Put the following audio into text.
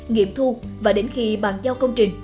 nghiệm thu và đến khi bàn giao công trình